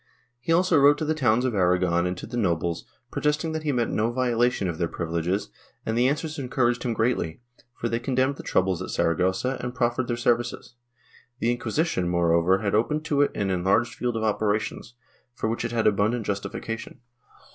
He also wrote to the toAvns of Aragon and to the nobles, protesting that he meant no violation of their privileges, and the answers encouraged him greatly, for they condemned the troubles at Saragossa and proffered their services. The Inciuisition, moreover had opened to it an en larged field of operations, for which it had abundant justification.